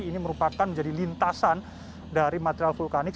ini merupakan menjadi lintasan dari material vulkanik